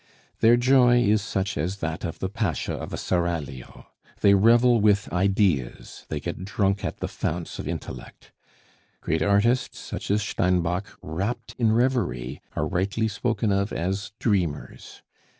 Their joy is such as that of the pasha of a seraglio; they revel with ideas, they get drunk at the founts of intellect. Great artists, such as Steinbock, wrapped in reverie, are rightly spoken of as dreamers.